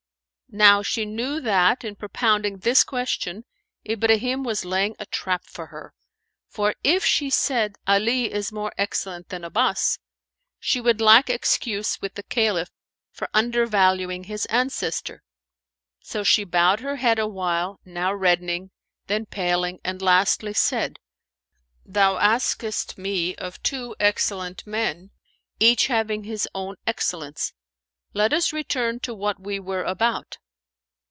Now she knew that, in propounding this question, Ibrahim was laying a trap for her; for if she said, "Ali is more excellent than Abbas," she would lack excuse with the Caliph for undervaluing his ancestor; so she bowed her head awhile, now reddening, then paling, and lastly said, "Thou askest me of two excellent men, each having his own excellence. Let us return to what we were about."